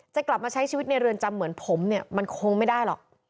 จะกลับมาใช้ชีวิตในเรือนจำเหมือนผมเนี่ยมันคงไม่ได้หรอก